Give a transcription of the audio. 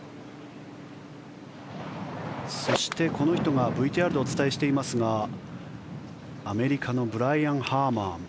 そして、この人がＶＴＲでお伝えしていますがアメリカのブライアン・ハーマン。